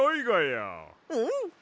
うん！